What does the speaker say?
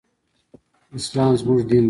اسلام زمونږ دين دی.